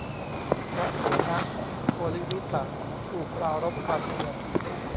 พระโสณโกฬิวิสะ ผู้ปรารภความเพียร